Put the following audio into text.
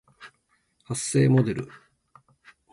発声モデル